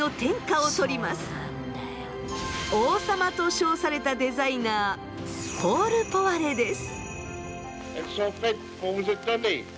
王様と称されたデザイナーポール・ポワレです。